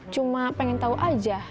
cuma pengen tau aja